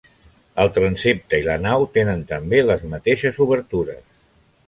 El transsepte i la nau tenen també les mateixes obertures.